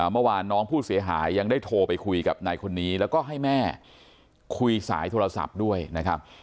เมื่อวานน้องผู้เสียหายยังได้โทรไปคุยกับนายคนนี้แล้วก็ให้แม่คุยสายโทรศัพท์ด้วยนะครับ